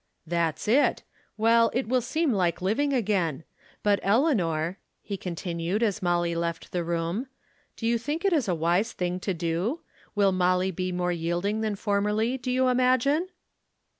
" That's it ! Well, it will seem like living again. But Eleanor," he continued, as MoUy left the room, " do you think it a wise thing to do ? Will Molly be more yielding than formerly, do you imagine